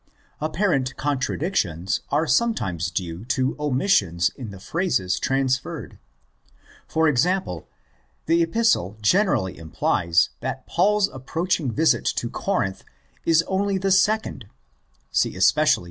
Apparent contradictions are sometimes due to omissions in the phrases transferred. For example, the Epistle generally implies that Paul's approaching visit to Corinth is only the second (see especially i.